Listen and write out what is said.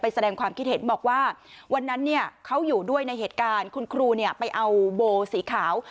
แสดงความคิดเห็นบอกว่าวันนั้นเนี่ยเขาอยู่ด้วยในเหตุการณ์คุณครูไปเอาโบสีขาว